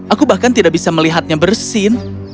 aku bahkan tidak bisa melihatnya bersin